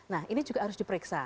nah ini juga harus diperiksa